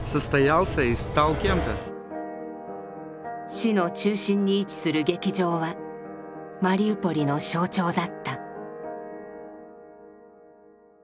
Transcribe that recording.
市の中心に位置する劇場はマリウポリの象徴だった。